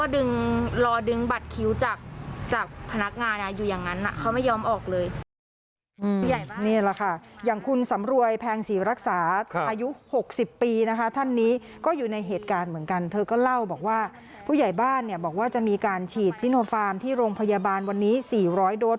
นี่แหละค่ะท่านนี้ก็อยู่ในเหตุการณ์เหมือนกันเธอก็เล่าบอกว่าผู้ใหญ่บ้านเนี่ยบอกว่าจะมีการฉีดซิโนฟาร์มที่โรงพยาบาลวันนี้๔๐๐โดส